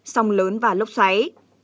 sông lớn và lốc xoáy